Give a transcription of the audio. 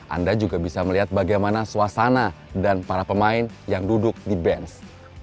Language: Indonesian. anda juga bisa melihat bagaimana suasana dan para pemain yang duduk di bench